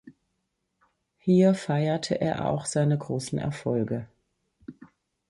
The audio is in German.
Hier feierte er auch seine großen Erfolge.